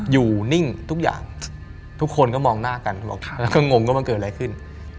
อยู่นิ่งทุกอย่างทุกคนก็มองหน้ากันบอกแล้วก็งงว่ามันเกิดอะไรขึ้น